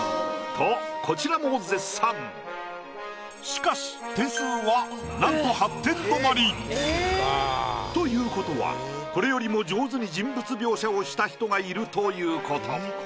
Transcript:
しかし点数はなんと８点止まり。ということはこれよりも上手に人物描写をした人がいるということ。